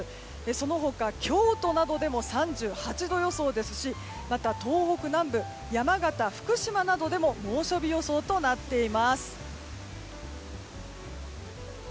その他京都などでも３８度予想ですしまた東北南部山形、福島などでも猛暑日予想となっています。